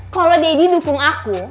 kalo daddy dukung aku